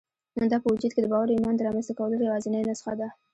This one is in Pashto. دا په وجود کې د باور او ايمان د رامنځته کولو يوازېنۍ نسخه ده.